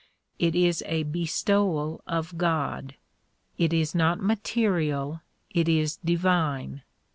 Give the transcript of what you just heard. It is a bestowal of God; it is not material, it is divine.